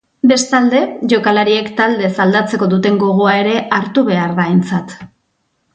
Bestalde, jokalariek taldez aldatzeko duten gogoa ere hartu behar da aintzat.